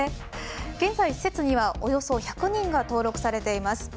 現在、施設にはおよそ１００人が登録されています。